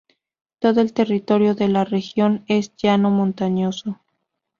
Todo el territorio de la región es llano montañoso.